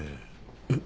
えっ？